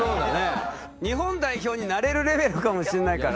日本代表になれるレベルかもしんないから。